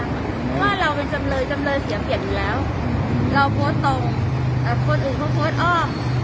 เพราะว่าเราเป็นจำเลยจำเลยเสียเปรียบอยู่แล้วเราโพสต์ตรงคนอื่นเขาโพสต์อ้อม